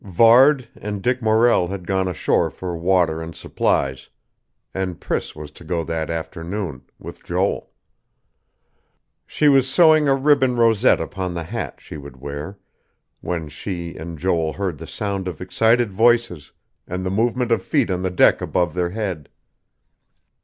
Varde and Dick Morrell had gone ashore for water and supplies, and Priss was to go that afternoon, with Joel. She was sewing a ribbon rosette upon the hat she would wear, when she and Joel heard the sound of excited voices, and the movement of feet on the deck above their head.